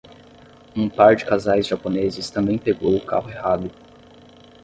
Um par de casais japoneses também pegou o carro errado